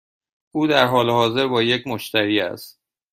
او در حال حاضر با یک مشتری است.